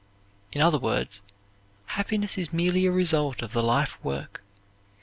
In other words, happiness is merely a result of the life work.